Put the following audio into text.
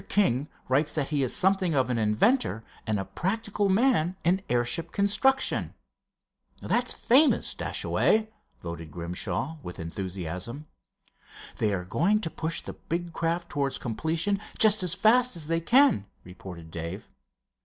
King writes that he is something of an inventor and a practical man in airship construction." "That's famous, Dashaway," voted Grimshaw, with enthusiasm. "They are going to push the big craft towards completion just as fast as they can," reported Dave.